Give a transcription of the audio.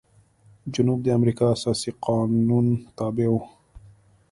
جنوب د امریکا اساسي قانون تابع و.